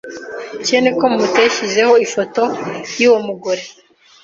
cyene.ko muteshyizeho ifoto y’uwo mugore?